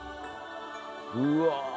うわ！